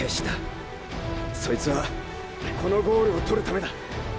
そいつはこのゴールを獲るためだ！